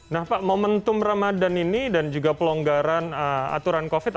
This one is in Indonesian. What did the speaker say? nah pak momentum ramadan ini dan juga pelonggaran aturan covid